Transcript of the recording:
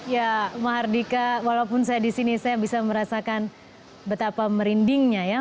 ya mahardika walaupun saya di sini saya bisa merasakan betapa merindingnya ya